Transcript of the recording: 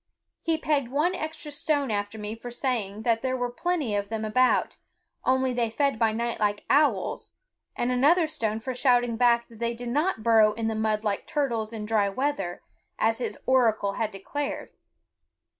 He pegged one extra stone after me for saying that there were plenty of them about, only they fed by night like owls, and another stone for shouting back that they did not burrow in the mud like turtles in dry weather, as his oracle had declared.